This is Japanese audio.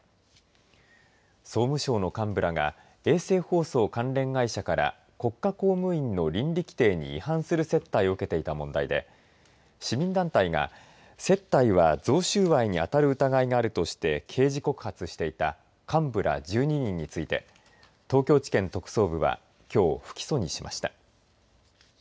総務省の幹部らが衛星放送関連会社から国家公務員の倫理規定に違反する接待を受けていた問題で市民団体が接待は贈収賄にあたる疑いがあるとして刑事告発していた幹部ら１２人について東京地検特捜部はきょう、不起訴にしました。